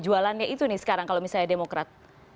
jualannya itu nih sekarang kalau misalnya demokrat